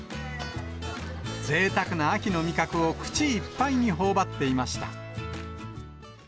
ぜいたくな秋の味覚を口いっぱいにほおばっていました。